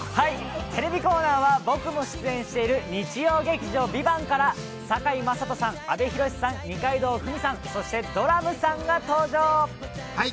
テレビコーナーは僕も出演している日曜劇場「ＶＩＶＡＮＴ」から堺雅人さん、阿部寛さん、二階堂ふみさん、そしてドラムさんが登場。